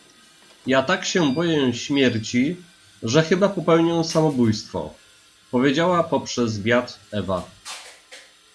— Ja tak się boję śmierci, że chyba popełnię samobój stwo — powiedziała poprzez wiatr Ewa.